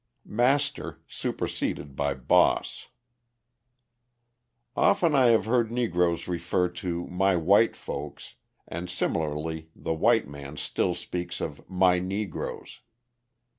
"Master" Superseded by "Boss" Often I have heard Negroes refer to "my white folks" and similarly the white man still speaks of "my Negroes."